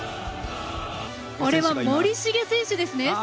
これは森重選手ですね。